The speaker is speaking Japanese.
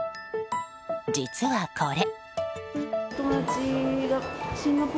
実はこれ。